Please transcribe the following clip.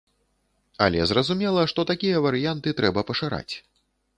Але зразумела, што такія варыянты трэба пашыраць.